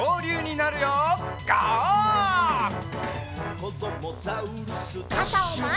「こどもザウルス